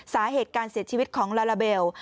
สาเหตุการเสียชีวิตของลาลาเบล